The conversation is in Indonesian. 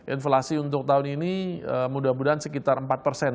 inflasi untuk tahun ini mudah mudahan sekitar empat persen